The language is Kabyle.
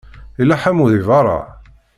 Yella ḥamu deg beṛṛa?